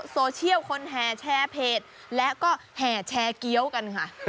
โซเชียลคนแห่แชร์เพจและก็แห่แชร์เกี้ยวกันค่ะ